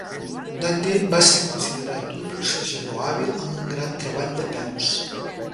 Dundee va ser considerat un boxejador hàbil amb un gran treball de peus.